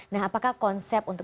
nah apakah konsep untuk